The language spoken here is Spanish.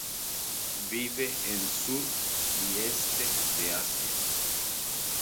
Vive en sur y este de Asia.